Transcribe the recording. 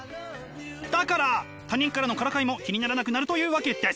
だから他人からのからかいも気にならなくなるというわけです！